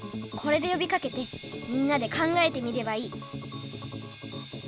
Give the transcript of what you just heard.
これでよびかけてみんなで考えてみればいい。